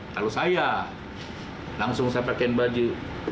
kalau saya langsung saya pakaiin baju